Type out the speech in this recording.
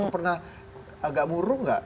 pernah agak muruh gak